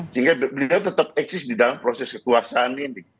sehingga beliau tetap eksis di dalam proses kekuasaan ini